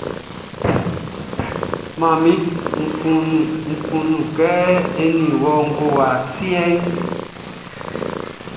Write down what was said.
Manmi, Nʼkunnu kɛ eni wɔ ngowa siɛnʼn.